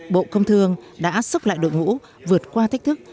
bộ công thương đã sốc lại đội ngũ vượt qua thách thức